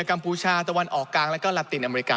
กมชาตะวันออกกลางแล้วก็ลาตินอเมริกา